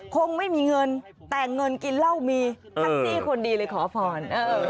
คงไม่มีเงินแต่เงินกินเหล้ามีแท็กซี่คนดีเลยขอพร